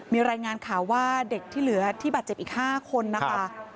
มีรายงานข่าวว่าเด็กที่เหลือที่บาดเจ็บอีก๕คนนะคะ